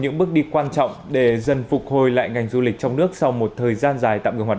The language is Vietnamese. những bước đi quan trọng để dần phục hồi lại ngành du lịch trong nước sau một thời gian dài tạm ngừng hoạt